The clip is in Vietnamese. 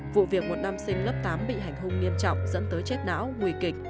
vụ việc một nam sinh lớp tám bị hành hung nghiêm trọng dẫn tới chết não nguy kịch